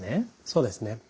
そうですね。